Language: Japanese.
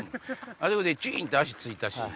あそこでジンって足着いたし。